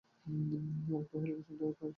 আরেকটু হলেই ঘোষণাটা তোমার শোনা হতো না।